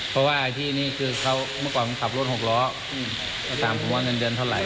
เพราะว่าที่นี่คือเขาเมื่อก่อนผมขับรถหกล้อจะถามผมว่าเงินเดือนเท่าไห